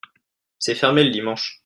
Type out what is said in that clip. c'est fermé le dimanche.